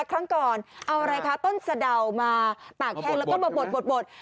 ครั้งก่อนเอาอะไรคะต้นสะดาวมาตากแห้งแล้วก็มาบด